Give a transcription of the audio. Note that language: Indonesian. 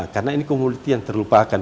karena ini komoditi yang terlupakan